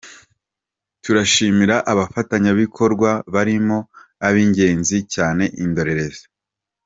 Turashimira abafatanya bikorwa barimo ab’ ingenzi cyane indorerezi.